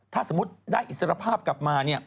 ถ้าสมมติได้อิสระภาพกลับมาเนี่ย